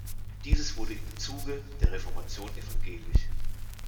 Dieses wurde im Zuge der Reformation evangelisch.